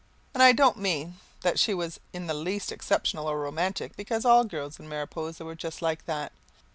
And I don't mean that she was in the least exceptional or romantic, because all the girls in Mariposa were just like that.